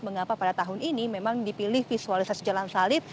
mengapa pada tahun ini memang dipilih visualisasi jalan salib